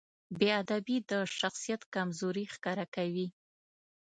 بېادبي د شخصیت کمزوري ښکاره کوي.